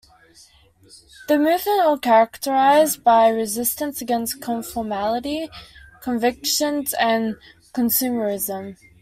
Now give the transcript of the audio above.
The movement was characterized by resistance against conformity, conventions, and consumerism.